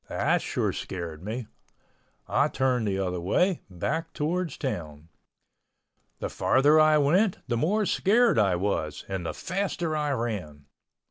That sure scared me. I turned the other way, back towards town. The farther I went the more scared I was ... and the faster I ran.